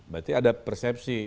berarti ada persepsi